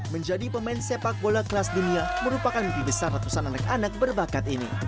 menjadi pemain sepak bola kelas dunia merupakan mimpi besar ratusan anak anak berbakat ini